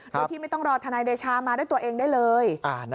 โดยที่ไม่ต้องรอทนายเดชามาด้วยตัวเองได้เลย